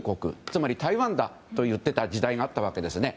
つまり台湾だと言っていた時代があったんですね。